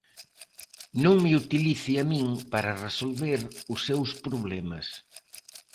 Non me utilice a min para resolver os seus problemas.